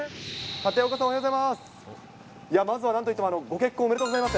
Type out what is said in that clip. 立岡さん、おはようございます。